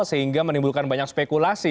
sehingga menimbulkan banyak spekulasi